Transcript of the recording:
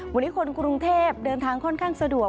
วันนี้คนกรุงเทพเดินทางค่อนข้างสะดวก